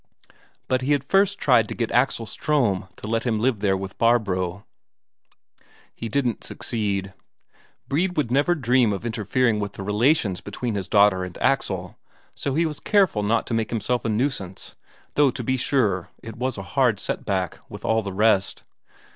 But he had first tried to get Axel Ström to let him live there with Barbro. He didn't succeed. Brede would never dream of interfering with the relations between his daughter and Axel, so he was careful not to make himself a nuisance, though to be sure it was a hard set back, with all the rest.